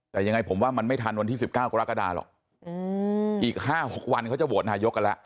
แต่ยังไงผมว่ามันไม่ทันวันที่สิบเก้าก็ละกระดาษหรอกอืมอีกห้าหกวันเขาจะโหวตนายกกันแล้ว